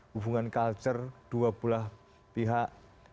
hubungan culture dua belah pihak